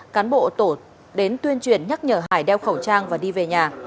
cán bộ tổ đến tuyên truyền nhắc nhở hải đeo khẩu trang và đi về nhà